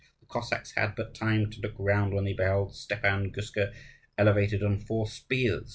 The Cossacks had but time to look round when they beheld Stepan Guska elevated on four spears.